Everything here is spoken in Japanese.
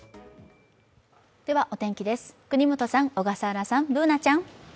ではお天気です、國本さん、小笠原さん、Ｂｏｏｎａちゃん。